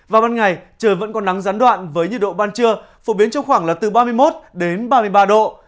vào ban ngày trời vẫn còn nắng gián đoạn với nhiệt độ ban trưa phổ biến trong khoảng là từ ba mươi một đến ba mươi ba độ